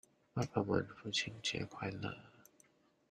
爸爸們父親節快樂！